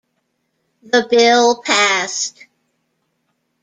The bill passed.